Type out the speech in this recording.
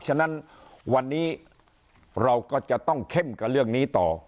ฉะนั้นวันนี้เราก็จะต้องเข้มกับเรื่องนี้ต่อ